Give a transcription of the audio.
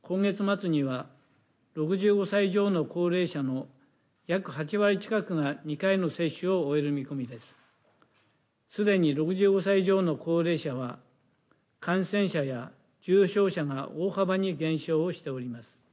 すでに６５歳以上の高齢者は、感染者や重症者が大幅に減少をしております。